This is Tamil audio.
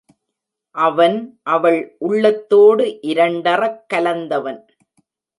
அவன் அவள் உள்ளத்தோடு இரண்டறக் கலந்தவன்.